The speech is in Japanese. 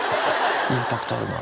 インパクトあるな。